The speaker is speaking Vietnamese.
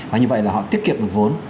và như vậy là họ tiết kiệm được vốn